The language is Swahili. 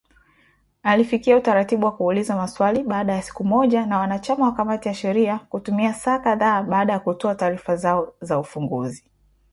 Alifikia utaratibu wa kuulizwa maswali baada ya siku moja na wanachama wa kamati ya sheria kutumia saa kadhaa baada ya kutoa taarifa zao za ufunguzi.